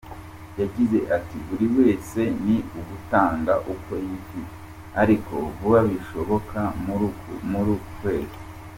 Yagize ati :”Buri wese ni ugutanga uko yifite ariko vuba bishoboka muri uku kwezi.